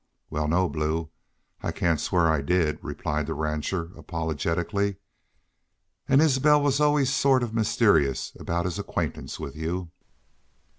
"Wal, no, Blue, I cain't swear I did," replied the rancher, apologetically. "An' Isbel was always sort of' mysterious aboot his acquaintance with you."